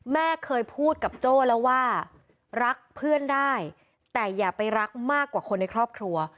แม่เคยพูดกับโจ้แล้วว่ารักเพื่อนได้แต่อย่าไปรักมากกว่าคนในครอบครัว